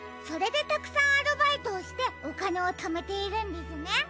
それでたくさんアルバイトをしておかねをためているんですね。